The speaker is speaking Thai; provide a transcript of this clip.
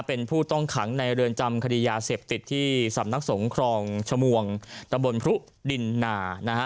เป็นผู้ต้องขังในเรือนจำคดียาเสพติดที่สำนักสงครองชมวงตะบนพรุดินนานะฮะ